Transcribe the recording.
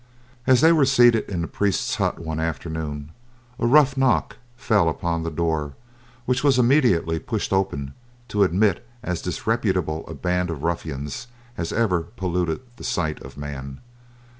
As they were seated in the priest's hut one afternoon, a rough knock fell upon the door which was immediately pushed open to admit as disreputable a band of ruffians as ever polluted the sight of man.